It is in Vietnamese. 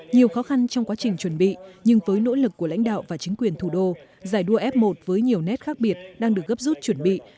nhiều khó khăn trong quá trình chuẩn bị nhưng với nỗ lực của lãnh đạo và chính quyền thủ đô giải đua f một với nhiều nét khác biệt đang được gấp rút chuẩn bị